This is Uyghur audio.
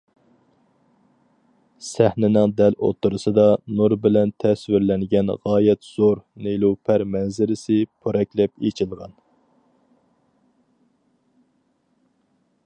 سەھنىنىڭ دەل ئوتتۇرىسىدا، نۇر بىلەن تەسۋىرلەنگەن غايەت زور نېلۇپەر مەنزىرىسى پورەكلەپ ئېچىلغان.